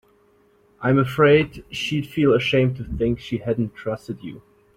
I'm afraid she'd feel ashamed to think she hadn't trusted you.